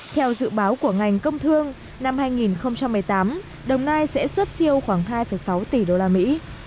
theo dự báo của ngành công thương năm hai nghìn một mươi tám đồng nai sẽ xuất siêu khoảng hai sáu tỷ đô la mỹ